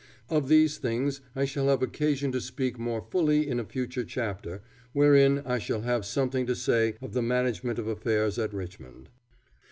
Of these things I shall have occasion to speak more fully in a future chapter, wherein I shall have something to say of the management of affairs at Richmond.